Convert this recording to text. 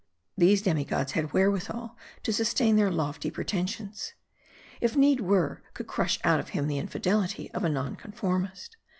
These demi gods had wherewithal to sustain their lofty preten sions. If need were, could crush out of him the infidelity of a non conformist.